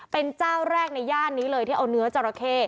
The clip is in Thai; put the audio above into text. เป็นเจ้าแรกในย่านนี้เลยที่เอาเนื้อจราเข้